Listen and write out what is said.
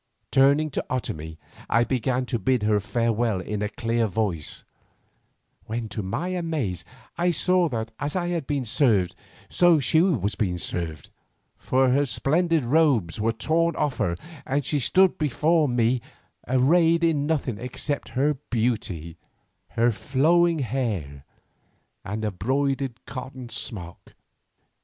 Turning to Otomie I began to bid her farewell in a clear voice, when to my amaze I saw that as I had been served so she was being served, for her splendid robes were torn off her and she stood before me arrayed in nothing except her beauty, her flowing hair, and a broidered cotton smock.